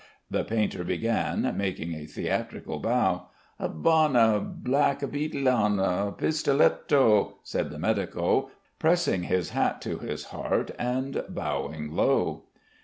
the painter began, making a theatrical bow. "Havanna blackbeetlano pistoletto!" said the medico, pressing his hat to his heart and bowing low.